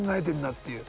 っていう。